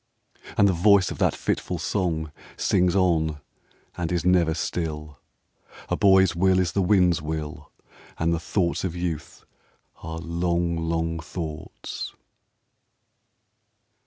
And the voice of that fitful song Sings on, and is never still : "A boy's will is the wind's will, And the thoughts of youth are long, long thoughts."